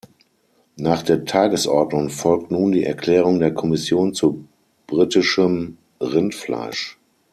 Nach der Tagesordnung folgt nun die Erklärung der Kommission zu britischem Rindfleisch.